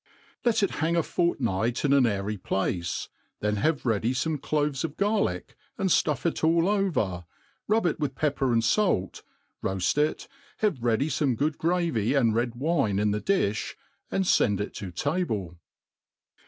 LET it hang a fortnight in an airy place, then have ready fome cloves of garlic, and fhiff it all over, rub it with pepper and fait 5 roaft it, have ready fomfe good gravy and red wine in the difl), and; fend it to table.